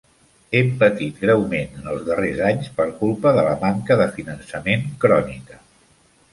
Hem patit greument en els darrers anys per culpa de la manca de finançament crònica.